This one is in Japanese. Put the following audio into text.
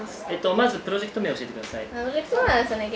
まずプロジェクト名を教えてください。